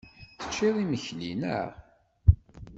Tecciḍ imekli, naɣ?